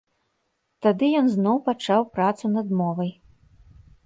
Тады ён зноў пачаў працу над мовай.